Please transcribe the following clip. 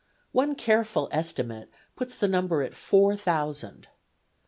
One careful estimate puts the number at four thousand.